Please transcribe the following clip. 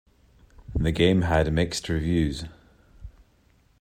The game had mixed reviews.